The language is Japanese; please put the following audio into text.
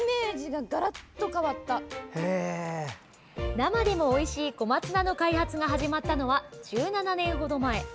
生でもおいしい小松菜の開発が始まったのは１７年程前。